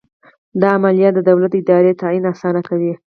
دا عملیه د دولت د دارایۍ تعین اسانه کوي.